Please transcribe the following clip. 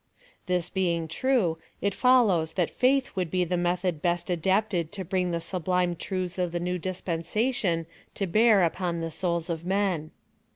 This being true, it follows that faith would be the method best adapted to bring the sublime truths of the new dispensation to bear upon the souls of men.